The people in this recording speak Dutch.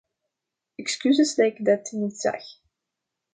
Excuses dat ik dat niet zag.